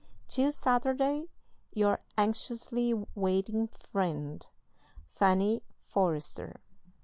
"Till Saturday, your anxiously waiting friend, "FANNY FORRESTER."